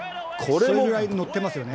それぐらい乗ってますよね。